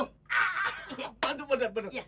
ah iya bener bener